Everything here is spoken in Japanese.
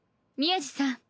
宮路さん。